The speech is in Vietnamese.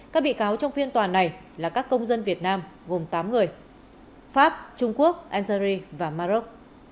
các bị cáo trong phiên tòa này là các công dân việt nam gồm tám người pháp trung quốc algeria và maroc